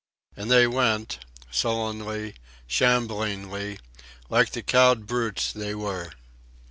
And they went, sullenly, shamblingly, like the cowed brutes they were.